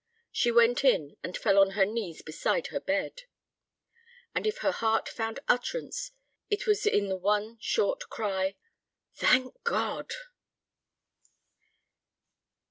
She went in and fell on her knees beside her bed. And if her heart found utterance it was in the one short cry: "Thank God!"